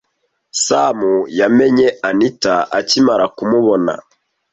Sam yamenye Anita akimara kumubona.